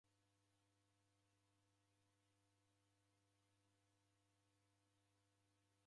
Mburi rake radafusha.